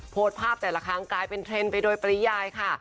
โพสต์ภาพแต่ละครั้งกลายเป็นเทรนด์ไปโดยปริยายค่ะ